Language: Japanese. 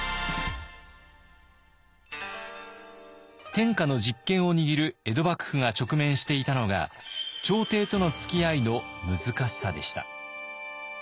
天下の実権を握る江戸幕府が直面していたのが朝廷とのつきあいの難しさでした。